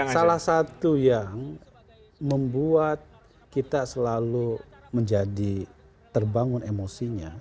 salah satu yang membuat kita selalu menjadi terbangun emosinya